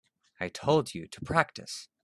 I told you to practice.